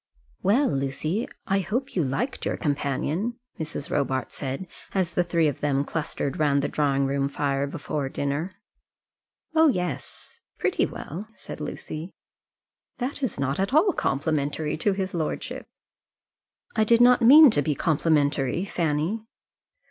"Well, Lucy, I hope you liked your companion," Mrs. Robarts said, as the three of them clustered round the drawing room fire before dinner. "Oh, yes; pretty well," said Lucy. "That is not at all complimentary to his lordship." "I did not mean to be complimentary, Fanny."